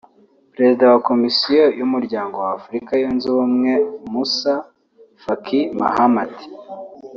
Perezida wa Komisiyo y’Umuryango wa Afurika Yunze Ubumwe Moussa Faki Mahamat